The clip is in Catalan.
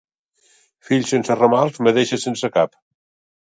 Fill sense ramals, madeixa sense cap.